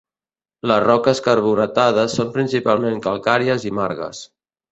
Les roques carbonatades són principalment calcàries i margues.